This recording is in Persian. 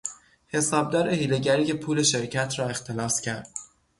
حسابدار حیلهگری که پول شرکت را اختلاس کرد